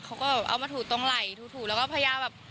เขาก็แบบเอามาถูตรงไหล่ถูแล้วก็พยายามแบบ